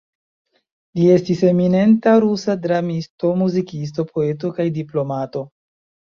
Li estis eminenta rusa dramisto, muzikisto, poeto kaj diplomato.